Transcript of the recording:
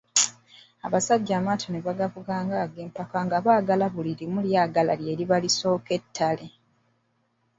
Abasajja amaato ne bagavuga ng'ag'empaka nga buli limu lyagala lye liba lisooka ettale.